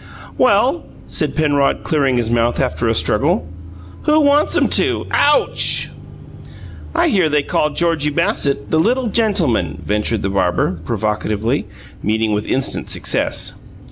"Well," said Penrod, clearing his mouth after a struggle, "who wants 'em to? Ouch!" "I hear they call Georgie Bassett the 'little gentleman,'" ventured the barber, provocatively, meeting with instant success.